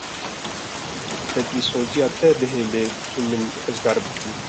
Dê dilzosiya te bihêle tu min jî rizgar bikî.